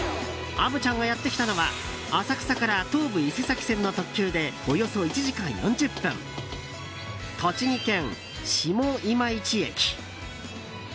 虻ちゃんがやってきたのは浅草から東武伊勢崎線の特急でおよそ１時間４０分栃木県下今市駅。